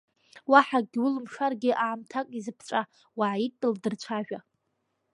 Уаҳа акгьы улымшаргьы аамҭак изыԥҵәа, уааидтәал, дырцәажәа.